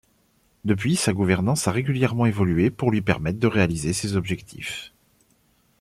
Depuis, sa gouvernance a régulièrement évolué pour lui permettre de réaliser ses objectifs.